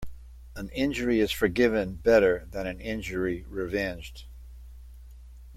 An injury is forgiven better than an injury revenged.